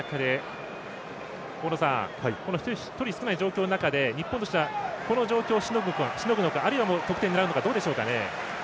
１人少ない状況の中で日本としてはこの状況をしのぐのか、あるいは得点を狙うのかどうでしょうかね。